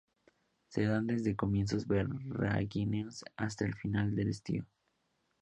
Se dan desde comienzos veraniegos hasta el final del estío.